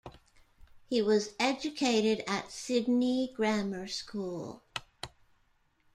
He was educated at Sydney Grammar School.